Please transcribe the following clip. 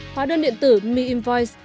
hóa đơn điện tử mi invoice